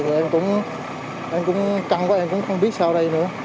thì em cũng căng quá em cũng không biết sao đây nữa